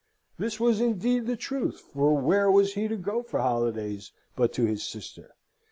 (this was indeed the truth, for where was he to go for holidays but to his sister?